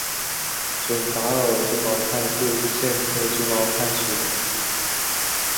准噶尔猪毛菜是苋科猪毛菜属的植物。